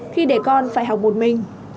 khi để con phải học một mình